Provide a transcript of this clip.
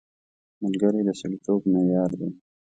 ملګری د سړیتوب معیار دی